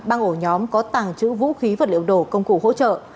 băng ổ nhóm có tàng trữ vũ khí vật liệu nổ công cụ hỗ trợ